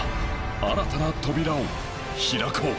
新たな扉を開こう